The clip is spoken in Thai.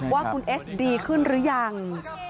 ว่าคุณเอสดีขึ้นหรือยัง